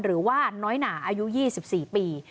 หรือว่าน้อยหนาอายุ๒๔ปี